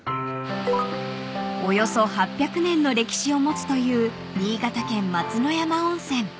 ［およそ８００年の歴史を持つという新潟県松之山温泉］